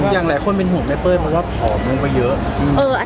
อย่างหลายคนจะเป็นหัวแม่เป่่ยเพราะว่าขอมไปเยอะ